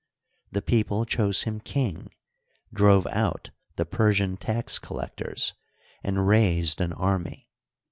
The people chose him king, drove out the Persian tax collectors, and raised an army.